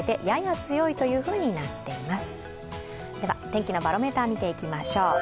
天気のバロメーターを見ていきましょう。